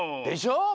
でしょ？